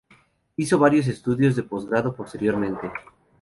Hizo varios estudios de postgrado posteriormente.